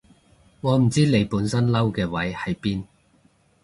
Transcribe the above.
我唔知你本身嬲嘅位喺邊